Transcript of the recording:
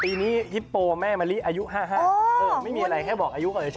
ปีนี้ฮิปโปแม่มะลิอายุ๕๕ไม่มีอะไรแค่บอกอายุก่อนเลยใช่ไหม